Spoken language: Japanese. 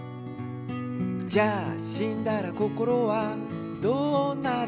「じゃあしんだらこころはどうなるの？」